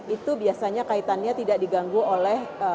itu biasanya kaitannya tidak diganggu oleh